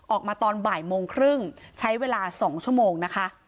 ออกมาตอนบ่ายโมงครึ่งใช้เวลา๒ชั่วโมงนะคะ